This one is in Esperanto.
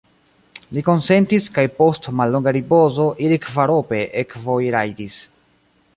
Li konsentis, kaj post mallonga ripozo ili kvarope ekvojrajdis.